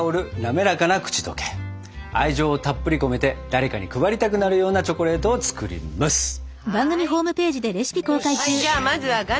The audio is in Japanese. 愛情をたっぷり込めて誰かに配りたくなるようなチョコレートを作ります！